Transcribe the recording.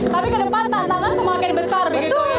tapi ke depan tantangan semakin besar begitu ya